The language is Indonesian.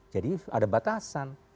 jadi ada batasan